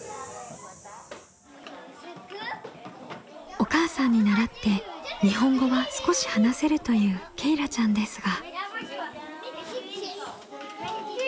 お母さんに習って日本語は少し話せるというけいらちゃんですが。